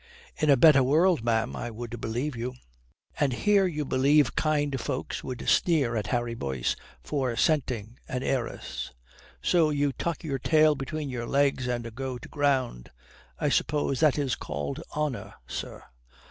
"In a better world, ma'am, I would believe you." "And here you believe kind folks would sneer at Harry Boyce for scenting an heiress. So you tuck your tail between your legs and go to ground. I suppose that is called honour, sir."